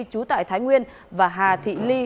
trú tại thái nguyên và hà thị ly